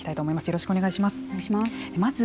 よろしくお願いします。